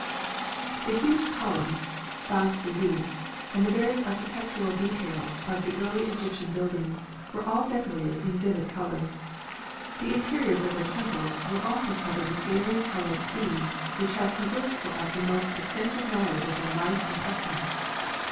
The huge columns, bas reliefs, and the various architectural details of the early Egyptian buildings were all decorated in vivid colours. The interiors of their temples were also covered with gayly coloured scenes which have preserved for us a most extensive knowledge of their life and customs.